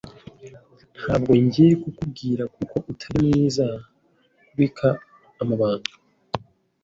Ntabwo ngiye kukubwira kuko utari mwiza kubika amabanga.